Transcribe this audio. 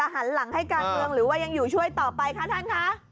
หันหลังให้การเมืองหรือว่ายังอยู่ช่วยต่อไปคะท่านคะ